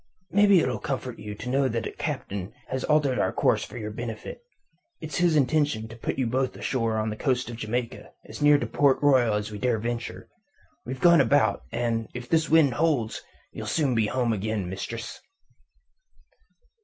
"Maybe it'll comfort you to know that the Captain has altered our course for your benefit. It's his intention to put you both ashore on the coast of Jamaica, as near Port Royal as we dare venture. We've gone about, and if this wind holds ye'll soon be home again, mistress."